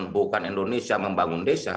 bukan indonesia membangun desa